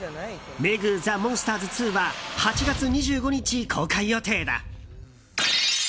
「ＭＥＧザ・モンスターズ２」は８月２５日公開予定だ。